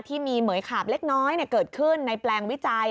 ที่มีเหมือยขาบเล็กน้อยเกิดขึ้นในแปลงวิจัย